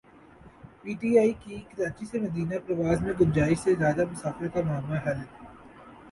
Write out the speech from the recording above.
P I A کی کراچی سے مدینہ پرواز میں گنجائش سے زائد مسافروں کا معمہ حل